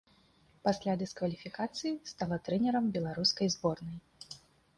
Пасля дыскваліфікацыі стала трэнерам беларускай зборнай.